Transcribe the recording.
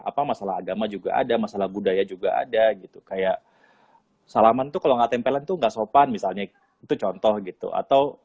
apa masalah agama juga ada masalah budaya juga ada gitu kayak salaman tuh kalau gak tempelen itu nggak sopan misalnya itu contoh gitu atau sholat kalau misalnya berjarak itu enggak bisa untuk dihentikan